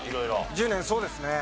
１０年そうですね。